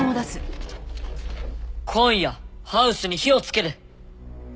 今夜ハウスに火を付ける。